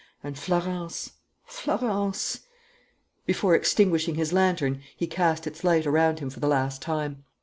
And Florence Florence " Before extinguishing his lantern, he cast its light around him for the last time.